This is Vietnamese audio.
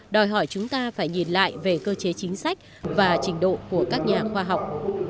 đòi hỏi chúng ta phải nhìn lại về cơ chế chính sách và trình độ của các nhà khoa học